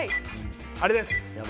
あれです。